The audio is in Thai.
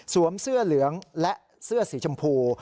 เสื้อเหลืองและเสื้อสีชมพู